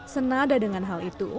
senada dengan hal itu